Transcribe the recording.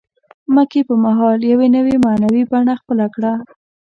مکې په مهال یوه نوې معنوي بڼه خپله کړه.